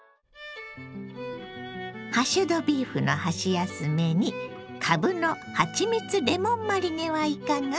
ハッシュドビーフの箸休めにかぶのはちみつレモンマリネはいかが？